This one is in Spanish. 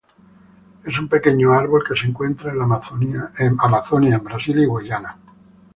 Es un pequeño árbol que se encuentra en la Amazonia en Brasil y Guyana.